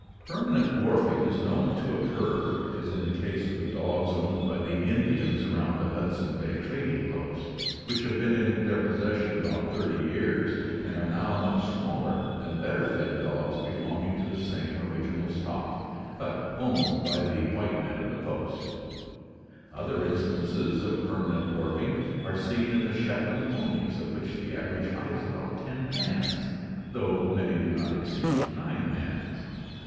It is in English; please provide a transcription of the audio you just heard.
Permanent dwarfing is known to occur, as in the case of the dogs owned by the Indians around the Hudson Bay trading posts, which have been in their possession about thirty years and are now much smaller than better fed dogs belonging to the same original stock, but owned by the white men of the posts. Other instances of permanent dwarfing are seen in the Shetland ponies, of which the average height is about 10 hands, though many do not exceed 9 hands.